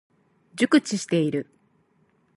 熟知している。